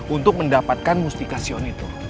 untuk mendapatkan mustikasion itu